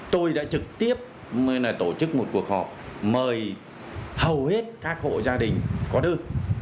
tôi đã trực tiếp tổ chức một cuộc họp mời hầu hết các hộ gia đình có đơn